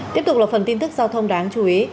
tiếp tục là phần tin tức giao thông đáng chú ý